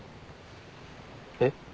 えっ？